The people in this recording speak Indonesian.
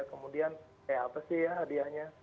kemudian kayak apa sih ya hadiahnya